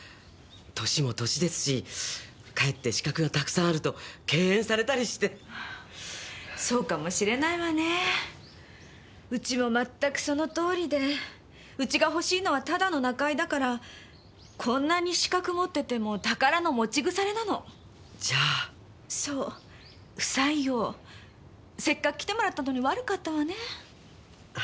年も年ですしかえって資格がたくさんあると敬遠されたりしてそうかもしれないわねぇうちも全くそのとおりでうちが欲しいのはただの仲居だからこんなに資格持ってても宝の持ち腐れなのじゃあそう不採用せっかく来てもらったのに悪かったわね・